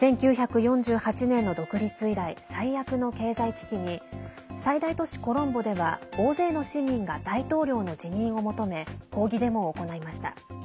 １９４８年の独立以来最悪の経済危機に最大都市コロンボでは大勢の市民が大統領の辞任を求め抗議デモを行いました。